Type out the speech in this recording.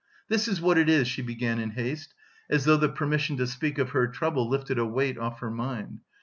"This is what it is," she began in haste, as though the permission to speak of her trouble lifted a weight off her mind.